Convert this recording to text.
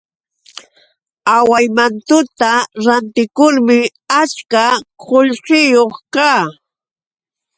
Awaymantuta rantikurmi achka qullqiyuq kaa.